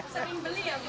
sering beli ya